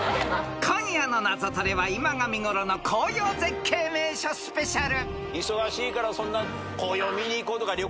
今夜の「ナゾトレ」は今が見ごろの紅葉絶景名所スペシャル。